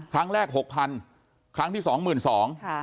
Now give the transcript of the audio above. ครั้งแรกหกพันครั้งที่สองหมื่นสองค่ะ